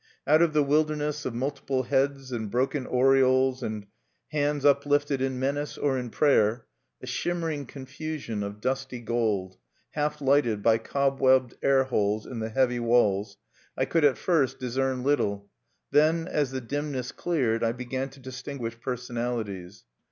Out of the wilderness of multiple heads and broken aureoles and hands uplifted in menace or in prayer, a shimmering confusion of dusty gold half lighted by cobwebbed air holes in the heavy walls, I could at first discern little; then, as the dimness cleared, I began to distinguish personalities.